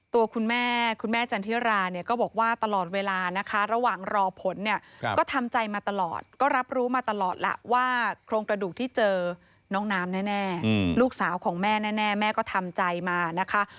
ตัวคุณแม่คุณแม่จันทิราเนี่ยก็บอกว่าตลอดเวลานะคะระหว่างรอผลเนี่ยก็ทำใจมาตลอดก็รับรู้มาตลอดล่ะว่าโครงกระดูกที่เจอน้องน้ำแน่ลูกสาวของแม่แน่แม่ก็ทำใจมานะคะ